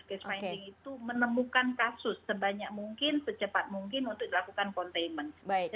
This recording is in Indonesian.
case finding itu menemukan kasus sebanyak mungkin secepat mungkin untuk dilakukan containment